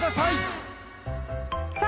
さあ、